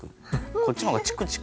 こっちの方がチクチク。